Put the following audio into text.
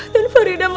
dan farida mengatakan